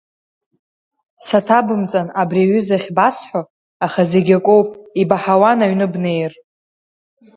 Саҭабымҵан абри аҩыза ахьбасҳәо, аха зегьы акоуп ибаҳауан аҩны бнеир.